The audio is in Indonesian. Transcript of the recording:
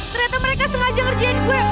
ternyata mereka sengaja ngerjain gue